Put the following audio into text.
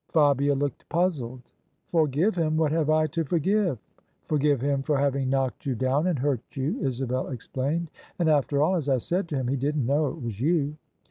Fabia looked puzzled: " Forgive him? What have I to forgive?" " Forgive him for having knocked you down and hurt you," Isabel explained. *' And, after all, as I said to him, he didn't know it was you."